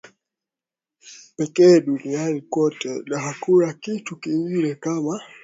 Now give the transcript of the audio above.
pekee duniani kote na hakuna kitu kingine kama